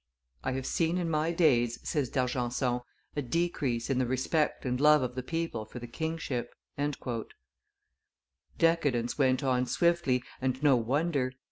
"I have seen in my days," says D'Argenson, "a decrease in the respect and love of the people for the kingship." Decadence went on swiftly, and no wonder.